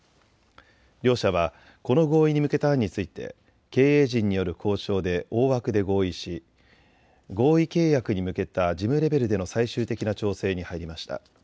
両社はこの合意に向けた案について経営陣による交渉で大枠で合意し合意契約に向けた事務レベルでの最終的な調整に入りました。